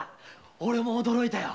オレも驚いたよ。